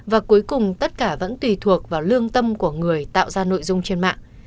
và cuối cùng tất cả vẫn tùy thuộc vào lương tâm của người tạo ra nội dung trên mạng